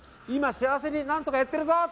今、幸せに何とかやってるぞ！